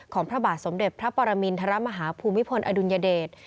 พระบาทสมเด็จพระปรมินทรมาฮาภูมิพลอดุลยเดช